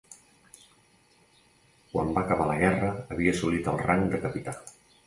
Quan va acabar la guerra havia assolit el rang de capità.